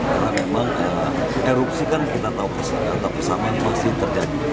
karena memang erupsi kan kita tahu keseluruhan tapi sama masih terjadi